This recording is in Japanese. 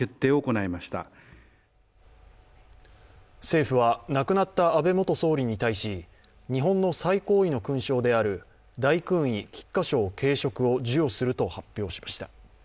政府は亡くなった安倍元総理に対し日本の最高位の勲章である大勲位菊花章頸飾を授与すると発表しました。